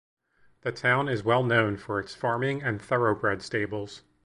The town is well known for its farming and thoroughbred stables.